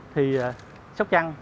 thì sóc trăng